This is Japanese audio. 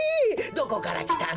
どこからきたの？